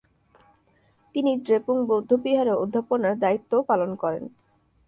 তিনি দ্রেপুং বৌদ্ধবিহারে অধ্যাপনার দায়িত্বও পালন করেন।